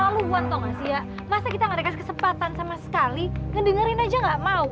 selalu buat tau gak sih ya masa kita gak ada kesempatan sama sekali ngedengerin aja gak mau